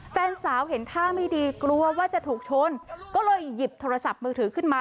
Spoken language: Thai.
แฟนสาวเห็นท่าไม่ดีกลัวว่าจะถูกชนก็เลยหยิบโทรศัพท์มือถือขึ้นมา